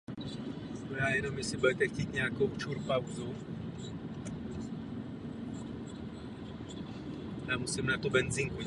Od té doby je ostrov neobydlený.